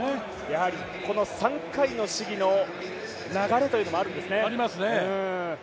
やはりこの３回の試技の流れというのもあるんですね。